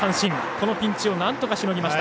このピンチをなんとかしのぎました。